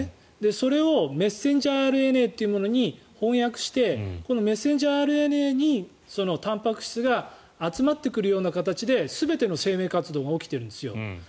それをメッセンジャーＲＮＡというものに翻訳してこのメッセンジャーＲＮＡにたんぱく質が集まってくるような形で全ての生命活動が起きているんですよ。